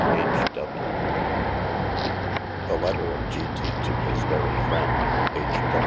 H. W. The letter of G. T. to his very friend H.